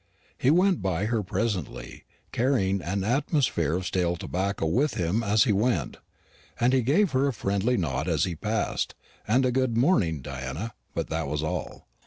He went by her presently, carrying an atmosphere of stale tobacco with him as he went; and he gave her a friendly nod as he passed, and a "Good morning, Diana;" but that was all.